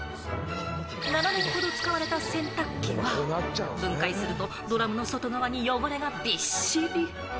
７年ほど使われた洗濯機は分解すると、ドラムの外側に汚れがびっしり。